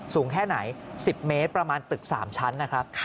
สูงแค่ไหน๑๐เมตรประมาณตึก๓ชั้นนะครับ